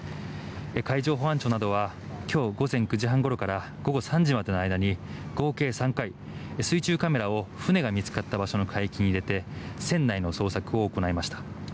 海上保安庁などは今日午前９時半から午後３時までの間に合計３回水中カメラを船が見つかった場所の海域に入れて船内の捜索を行いました。